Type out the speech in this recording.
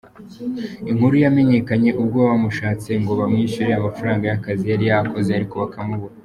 Inkuru yamenyekanye ubwo bamushatse ngo bamwishyure amafaranga y’akazi yari yakoze ariko bakamubura.